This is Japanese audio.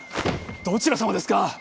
どちら様ですか？